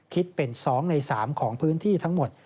คิดเป็น๒ใน๓ของพื้นที่ทั้งหมด